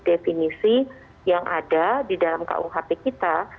definisi yang ada di dalam kuhp kita